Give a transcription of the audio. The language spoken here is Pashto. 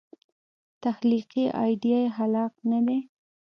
تخلیقي ایډیا یې خلاق نه دی.